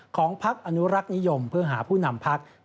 ของพักอนุรักษ์นิยมเพื่อหาผู้นำพัก